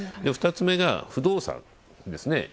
２つ目が不動産ですね。